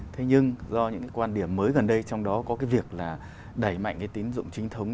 thế nhưng do những quan điểm mới gần đây trong đó có việc là đẩy mạnh tín dụng chính thống